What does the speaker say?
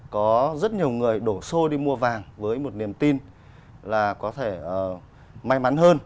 có rất nhiều người đổ xô đi mua vàng với một niềm tin là có thể may mắn hơn